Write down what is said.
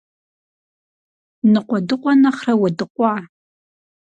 Ныкъуэдыкъуэ нэхърэ уэдыкъуа.